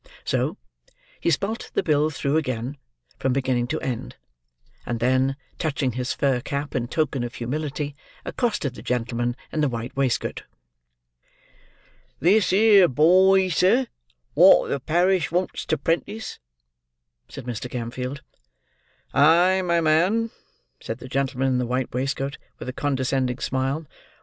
So, he spelt the bill through again, from beginning to end; and then, touching his fur cap in token of humility, accosted the gentleman in the white waistcoat. "This here boy, sir, wot the parish wants to 'prentis," said Mr. Gamfield. "Ay, my man," said the gentleman in the white waistcoat, with a condescending smile.